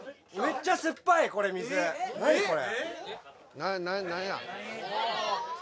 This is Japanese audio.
何これ？